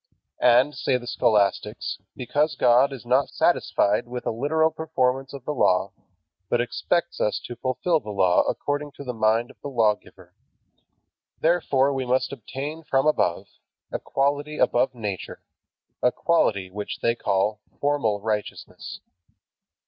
And, say the scholastics, because God is not satisfied with a literal performance of the Law, but expects us to fulfill the Law according to the mind of the Lawgiver, therefore we must obtain from above a quality above nature, a quality which they call "formal righteousness."